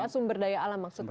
sda sumber daya alam maksudnya ya